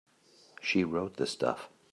She wrote the stuff.